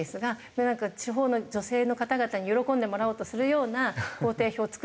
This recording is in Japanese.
なんか地方の女性の方々に喜んでもらおうとするような行程表を作ってしまって。